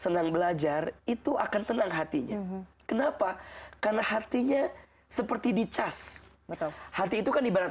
senang belajar itu akan tenang hatinya kenapa karena hatinya seperti dicas betul hati itu kan ibarat